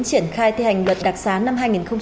triển khai thi hành luật đặc sán năm hai nghìn một mươi ba